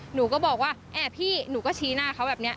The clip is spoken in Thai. หนูก็บอกว่าพี่หนูก็ชี้หน้าเขาแบบนี้